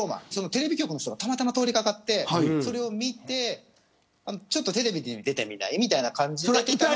テレビ局の人がたまたま通りかかってそれを見て、ちょっとテレビに出てみないという感じになった。